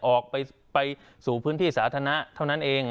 ออกไปสู่พื้นที่สาธารณะเท่านั้นเอง